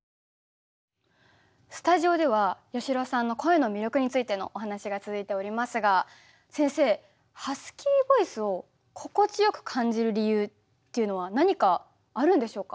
スタジオでは八代さんの声の魅力についてのお話が続いておりますが先生ハスキーボイスを心地よく感じる理由っていうのは何かあるんでしょうか？